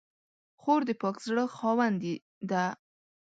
خور د پاک زړه خاوندې ده.